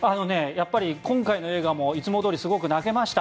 やっぱり今回の映画もいつもどおりすごく泣けました。